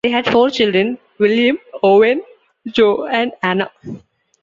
They had four children: William, Owen, Jo and Anna.